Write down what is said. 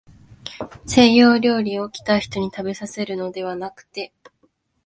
西洋料理を、来た人にたべさせるのではなくて、